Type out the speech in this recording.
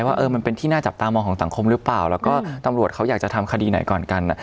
ว่ามันเป็นที่น่าจับตามองของสังคมหรือเปล่าแล้วก็ตำรวจเขาอยากจะทำคดีไหนก่อนกัน